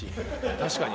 確かに。